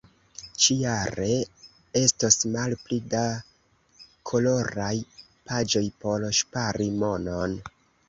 Ĉi-jare estos malpli da koloraj paĝoj por ŝpari monon.